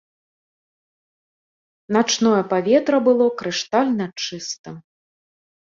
Начное паветра было крыштальна чыстым.